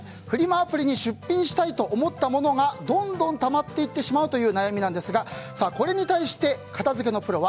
アプリに出品したいと思った物がどんどんたまてってしまうという悩みですがこれに対して、片付けのプロは